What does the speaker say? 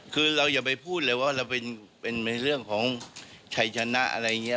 คือเราอย่าไปพูดเลยว่าเราเป็นในเรื่องของชัยชนะอะไรอย่างนี้